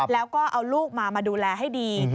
แล้วก็เอาลูกมามาดูแลให้ดี